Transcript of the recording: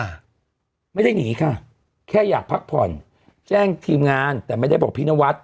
ไม่ได้หนีค่ะแค่อยากพักผ่อนแจ้งทีมงานแต่ไม่ได้บอกพี่นวัด